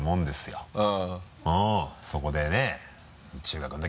そこでね中学の時。